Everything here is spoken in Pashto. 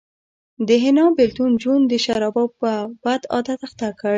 د حنا بېلتون جون د شرابو په بد عادت اخته کړ